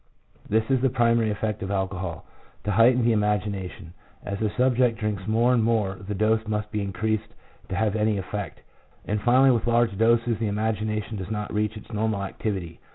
1 This is the primary effect of alcohol, to heighten the imagination ; as the subject drinks more and more the dose must be increased to have any effect, and finally with large doses the imagination does not reach its normal activity.